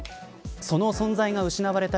その存在が失われた